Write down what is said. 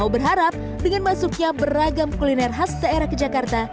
ahok berharap dengan masuknya beragam kuliner khas daerah ke jakarta